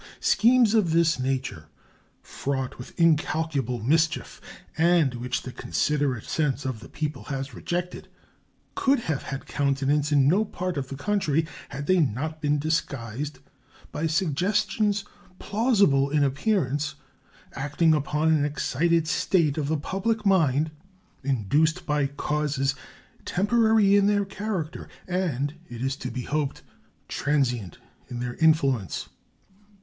Schemes of this nature, fraught with incalculable mischief, and which the considerate sense of the people has rejected, could have had countenance in no part of the country had they not been disguised by suggestions plausible in appearance, acting upon an excited state of the public mind, induced by causes temporary in their character and, it is to be hoped, transient in their influence.